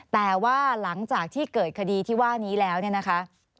แต่ว่าหลังจากที่เกิดคดีที่ว่านี้แล้วเนี่ยนะคะ